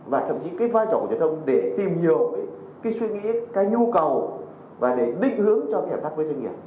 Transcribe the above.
và thậm chí vai trò truyền thông để tìm hiểu suy nghĩ nhu cầu và định hướng cho hệ thắc doanh nghiệp